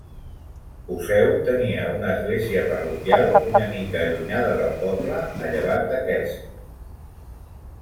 Useu tenia una església parroquial una mica allunyada del poble, a llevant d'aquest.